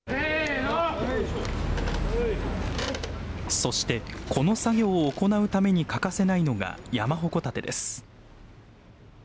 そしてこの作業を行うために欠かせないのが山鉾建てです。